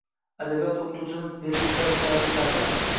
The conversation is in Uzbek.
Adabiyot o`qituvchimiz berilib dars o`tardilar